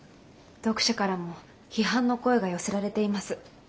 読者からも批判の声が寄せられています。